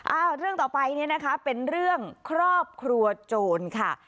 เรื่องต่อไปเนี่ยนะคะเป็นเรื่องครอบครัวโจรค่ะ